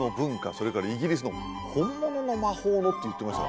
それからイギリスの本物の魔法をって言ってました